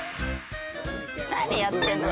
何やってるの？